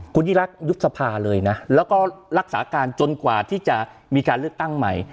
คุณยิ่งรักยุบสภาเลยนะแล้วก็รักษาการจนกว่าที่จะมีการเลือกตั้งใหม่